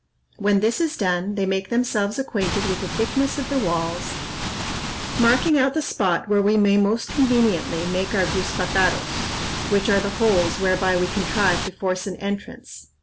When this is done, they make themselves acquainted with the thickness of the walls, marking out the spot where we may most conveniently make our guzpataros, which are the holes whereby we contrive to force an entrance.